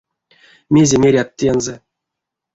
Мезе мерят тензэ?